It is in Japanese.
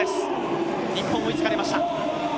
日本、追いつかれました。